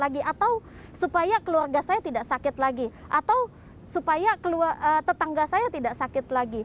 lagi atau supaya keluarga saya tidak sakit lagi atau supaya tetangga saya tidak sakit lagi